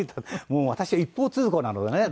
もう私は一方通行なのでね